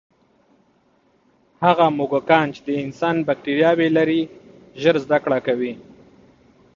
هغه موږکان چې د انسان باکټرياوې لري، ژر زده کړه کوي.